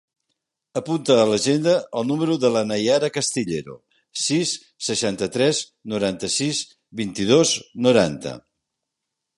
Apunta a l'agenda el número de la Nayara Castillero: sis, seixanta-tres, noranta-sis, vint-i-dos, noranta.